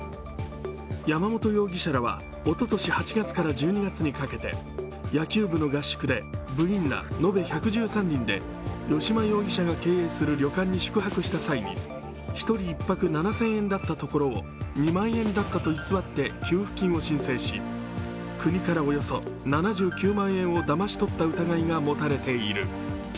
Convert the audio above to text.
山本容疑者らはおととし８月から１２月にかけて野球部の合宿で部員ら延べ１１３人で吉間容疑者が経営する旅館に宿泊した際に１人１泊７０００円だったところを２万円だったと偽って給付金を請求し、国から７９万円をだまし取った疑いが持たれている。